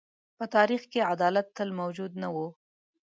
په تاریخ کې عدالت تل موجود نه و.